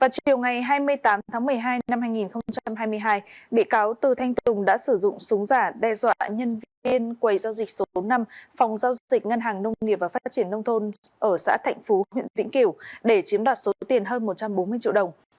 chiều ngày hai mươi tám tháng một mươi hai năm hai nghìn hai mươi hai bị cáo từ thanh tùng đã sử dụng súng giả đe dọa nhân viên quầy giao dịch số năm phòng giao dịch ngân hàng nông nghiệp và phát triển nông thôn ở xã thạnh phú huyện vĩnh kiểu để chiếm đoạt số tiền hơn một trăm bốn mươi triệu đồng